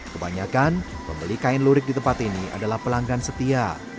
kebanyakan pembeli kain lurik di tempat ini adalah pelanggan setia